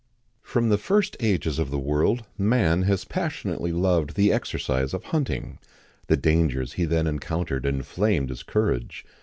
From the first ages of the world man has passionately loved the exercise of hunting; the dangers he then encountered inflamed his courage.